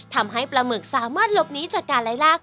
ทำให้ปลาหมึกสามารถหลบหนีจากการไล่ลาก